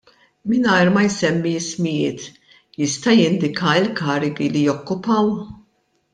Mingħajr ma jsemmi ismijiet jista' jindika l-karigi li jokkupaw?